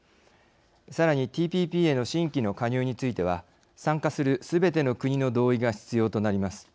さらに、ＴＰＰへの新規の加入については参加するすべての国の同意が必要となります。